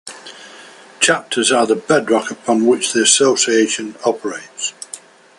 Chapters are the bedrock upon which the association operates.